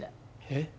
えっ？